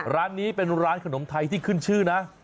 ร้านนี้เป็นร้านขนมไทยที่ขึ้นชื่อนะ